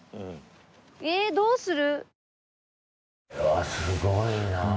えどうする？